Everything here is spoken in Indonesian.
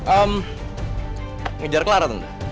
em ngejar clara tante